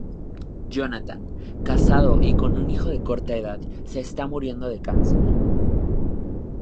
Jonathan, casado y con un hijo de corta edad, se está muriendo de cáncer.